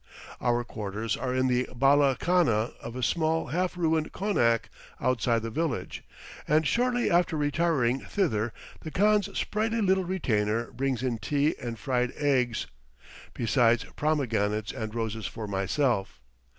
Our quarters are in the bala khana of a small half ruined konak outside the village, and shortly after retiring thither the khan's sprightly little retainer brings in tea and fried eggs, besides pomegranates and roses for myself.